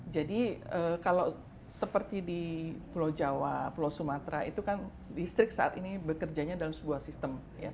jadi kalau seperti di pulau jawa pulau sumatera itu kan listrik saat ini bekerjanya dalam sebuah sistem